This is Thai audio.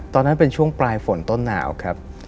ตอนนั้นเป็นช่วงปลายฝนต้นหนาวครับ